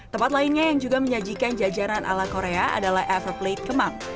tempat lainnya yang juga menyajikan jajanan ala korea adalah everplate kemang